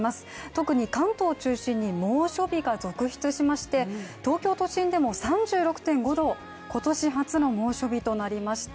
特に関東を中心に猛暑日が続出しまして東京都心でも３６．５度今年初の猛暑日となりました。